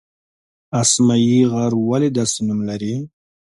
اسمايي غر ولې داسې نوم لري؟